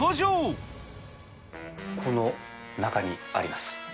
この中にあります。